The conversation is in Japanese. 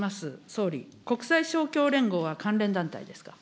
総理、国際勝共連合は関連団体ですか。